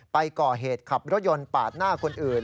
ไปก่อเหตุขับรถยนต์ปาดหน้าคนอื่น